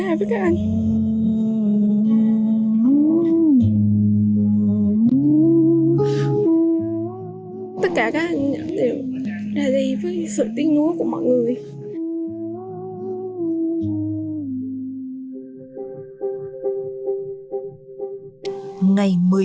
tất cả các anh đều ra đi với sự tích nuối của mọi người